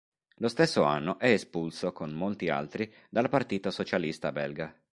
Lo stesso anno è espulso, con molti altri, dal Partito Socialista belga.